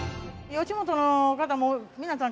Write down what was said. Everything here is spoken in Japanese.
吉本の方も皆さん